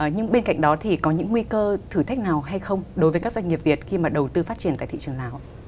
nhưng bên cạnh đó thì có những nguy cơ thử thách nào hay không đối với các doanh nghiệp việt khi mà đầu tư phát triển tại thị trường nào